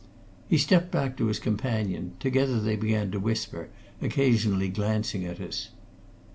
He stepped back to his companion; together they began to whisper, occasionally glancing at us.